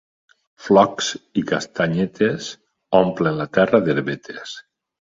Flocs i castanyetes, omplen la terra d'herbetes.